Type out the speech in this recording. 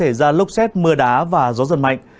có khả năng xảy ra lốc xét mưa đá và gió giật mạnh